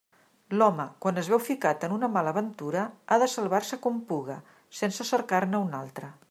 L'home, quan es veu ficat en una mala aventura, ha de salvar-se com puga, sense cercar-ne una altra.